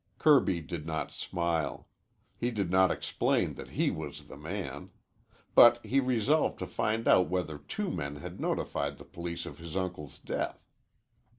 Kirby did not smile. He did not explain that he was the man. But he resolved to find out whether two men had notified the police of his uncle's death.